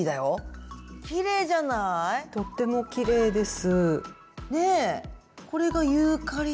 とってもきれいです。